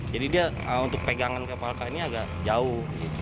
jadi dia untuk pegangan kepalka ini agak jauh